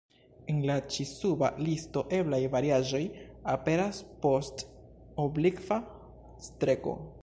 En la ĉi-suba listo eblaj variaĵoj aperas post oblikva streko.